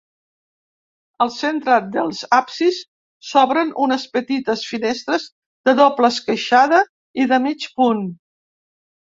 Al centre dels absis s'obren unes petites finestres de doble esqueixada i de mig punt.